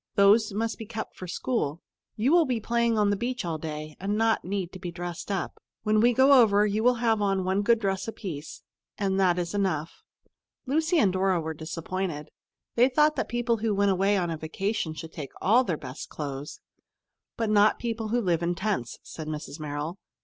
"Those must be kept for school. You will be playing on the beach all day, and not need to be dressed up. When we go over, you will have on one good dress apiece, and that is enough." Lucy and Dora were disappointed. They thought that people who went away on a vacation should take all their best clothes. "But not people who live in tents," said Mrs. Merrill.